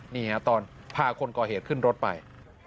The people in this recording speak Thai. นี่ฮะตอนพาคนก่อเหตุขึ้นรถไป